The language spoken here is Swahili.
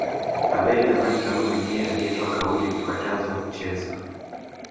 Abeid Amani Karume ndiye aliyetoa kauli kukataza kuchezwa